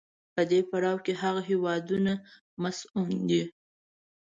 په دې پړاو کې هغه هېوادونه مصون دي.